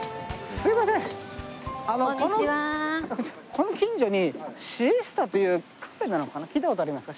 この近所にシエスタというカフェなのかな聞いた事ありますか？